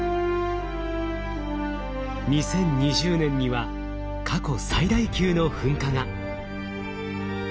２０２０年には過去最大級の噴火が。